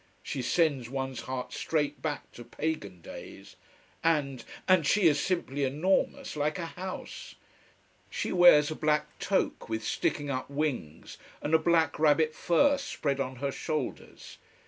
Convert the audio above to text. She sends one's heart straight back to pagan days. And and she is simply enormous, like a house. She wears a black toque with sticking up wings, and a black rabbit fur spread on her shoulders.